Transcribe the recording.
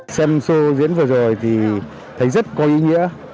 xem số diễn vừa rồi thì thấy rất có ý nghĩa